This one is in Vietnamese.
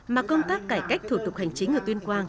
mà công tác cải cách thủ tục hành chính